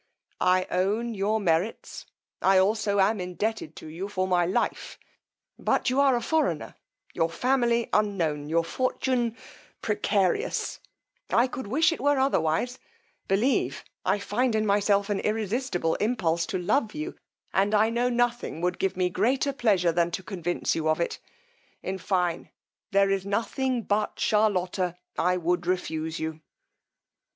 I own your merits: I also am indebted to you for my life: but you are a foreigner, your family unknown, your fortune precarious: I could wish it were otherwise; believe, I find in myself an irresistable impulse to love you, and I know nothing would give me greater pleasure than to convince you of it. In fine, there is nothing but Charlotta I would refuse you.